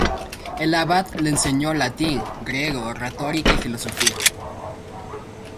El abad le enseñó latín, griego, retórica y filosofía.